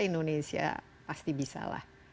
indonesia pasti bisa lah